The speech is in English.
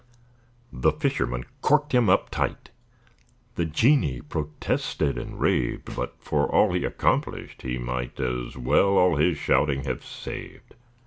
The fisherman corked him up tight: The genie protested and raved, But for all he accomplished, he might As well all his shouting have saved.